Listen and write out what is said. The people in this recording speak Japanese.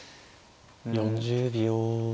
４０秒。